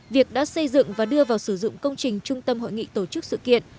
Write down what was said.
việc đã xây dựng và đưa vào sử dụng công trình trung tâm hội nghị tổ chức sự kiện